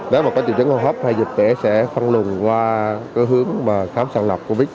nếu có chủ chứng hô hấp hay dịch tễ sẽ phân luận qua hướng khám sàng lập covid một mươi chín